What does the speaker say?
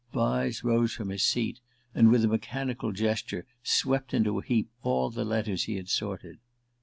_" Vyse rose from his seat, and with a mechanical gesture swept into a heap all the letters he had sorted.